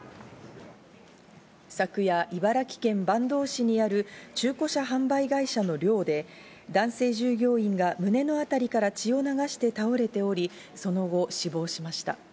昨夜、茨城県坂東市にある中古車販売会社の寮で男性従業員が胸の辺りから血を流して倒れており、その後、死亡しました。